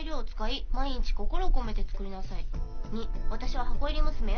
「２私は箱入り娘よ。